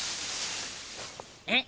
えっ？